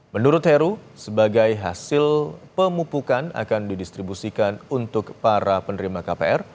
menurut heru sebagai hasil pemupukan akan didistribusikan untuk para penerima kpr